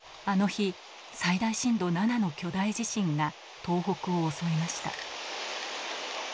あの日、最大震度７の巨大地震が東北を襲いました。